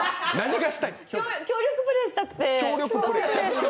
協力プレーしたくて。